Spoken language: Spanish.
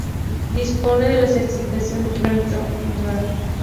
Dispone de la certificación Cradle to Cradle..